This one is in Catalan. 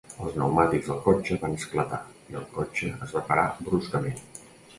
Els pneumàtics del cotxe van esclatar i el cotxe es va parar bruscament.